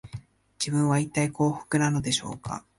自分は、いったい幸福なのでしょうか